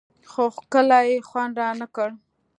خو کلي خوند رانه کړ.